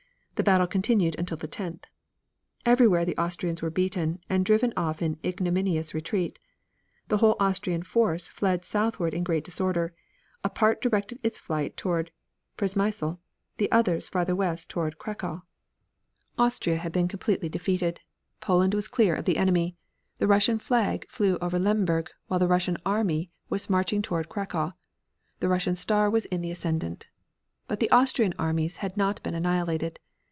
The battle continued until the tenth. Everywhere the Austrians were beaten, and driven off in ignominious retreat. The whole Austrian force fled southward in great disorder; a part directed its flight toward Przemysl, others still farther west toward Cracow. Austria had been completely defeated. Poland was clear of the enemy. The Russian flag flew over Lemberg, while the Russian army was marching toward Cracow. The Russian star was in the ascendant. But the Austrian armies had not been annihilated.